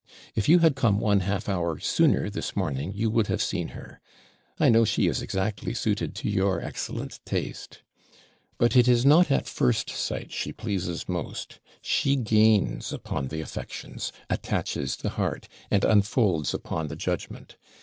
If you had come one half hour sooner this morning, you would have seen her: I know she is exactly suited to your excellent taste. But it is not at first sight she pleases most; she gains upon the affections, attaches the heart, and unfolds upon the judgment.